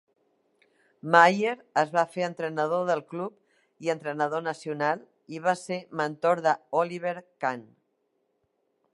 Maier es va fer entrenador del club i entrenador nacional i va ser mentor d'Oliver Kahn.